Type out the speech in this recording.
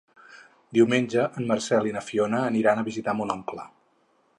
Diumenge en Marcel i na Fiona aniran a visitar mon oncle.